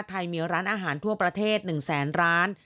ไทยมีร้านอาหารทั่วประเทศ๑แสนร้าน